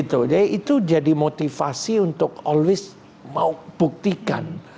jadi itu jadi motivasi untuk always mau buktikan